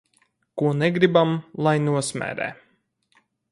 Ko negribam, lai nosmērē.